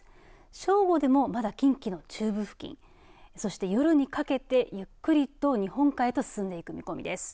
正午でもまだ近畿の中部付近、そして夜にかけてゆっくりと日本海へと進んでいく見込みです。